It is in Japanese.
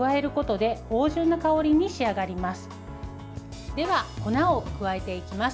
では、粉を加えていきます。